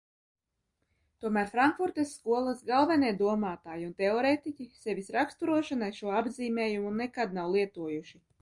Tomēr Frankfurtes skolas galvenie domātāji un teorētiķi sevis raksturošanai šo apzīmējumu nekad nav lietojuši.